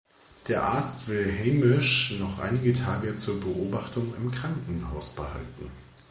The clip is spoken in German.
Der Arzt will Hamish noch einige Tage zur Beobachtung im Krankenhaus behalten.